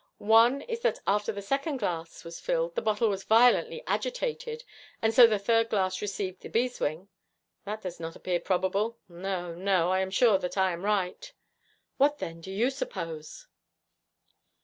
One is that after the second glass was filled the bottle was violently agitated, and so the third glass received the beeswing. That does not appear probable. No, no, I am sure that I am right.' 'What, then, do you suppose?'